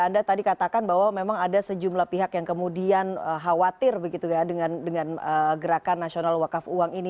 anda tadi katakan bahwa memang ada sejumlah pihak yang kemudian khawatir begitu ya dengan gerakan nasional wakaf uang ini